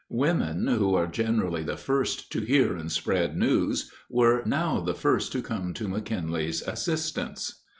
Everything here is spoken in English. Women, who are generally the first to hear and spread news, were now the first to come to McKinley's assistance.